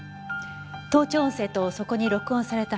盗聴音声とそこに録音された発砲音